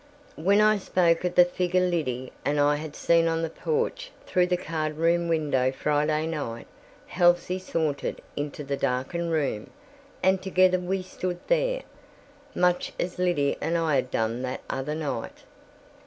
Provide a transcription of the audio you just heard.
When I spoke of the figure Liddy and I had seen on the porch through the card room window Friday night, Halsey sauntered into the darkened room, and together we stood there, much as Liddy and I had done that other night.